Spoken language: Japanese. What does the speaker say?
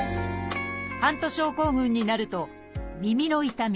ハント症候群になると耳の痛み